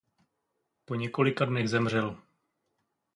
Po několika dnech zemřel.